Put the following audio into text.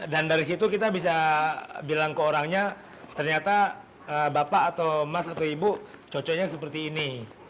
dan dari situ kita bisa bilang ke orangnya ternyata bapak atau mas atau ibu cocoknya seperti ini